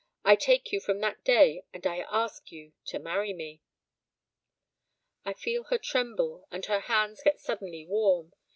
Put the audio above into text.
I take you from that day and I ask you to marry me.' I feel her tremble and her hands get suddenly warm.